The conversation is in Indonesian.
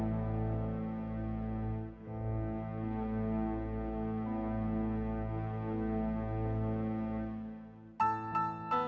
yang sendiri yang putus itu